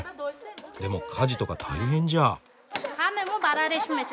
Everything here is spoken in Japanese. でも家事とか大変じゃ？